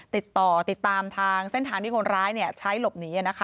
ติดต่อติดตามทางเส้นทางที่คนร้ายใช้หลบหนี